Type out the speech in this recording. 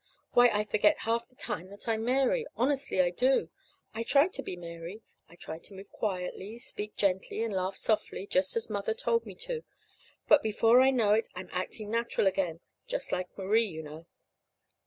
Why, I forget half the time that I'm Mary. Honestly, I do. I try to be Mary. I try to move quietly, speak gently, and laugh softly, just as Mother told me to. But before I know it I'm acting natural again just like Marie, you know.